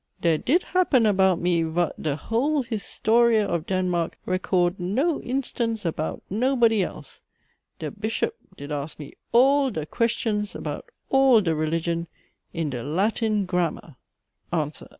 Dhere did happen about me vat de whole historia of Denmark record no instance about nobody else. Dhe bishop did ask me all dhe questions about all dhe religion in dhe Latin grammar. ANSWER.